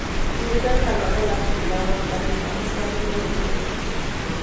Debido al calor de la actividad volcánica, está libre de hielo.